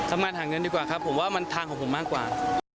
ทำงานหาเงินดีกว่าครับผมว่ามันทางของผมมากกว่า